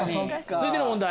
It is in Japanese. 続いての問題